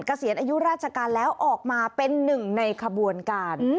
เกษียณอายุราชการแล้วออกมาเป็นหนึ่งในขบวนการ